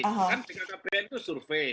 kan jkb itu survey